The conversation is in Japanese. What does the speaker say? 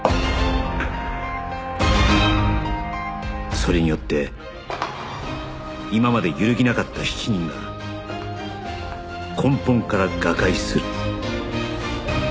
それによって今まで揺るぎなかった７人が根本から瓦解する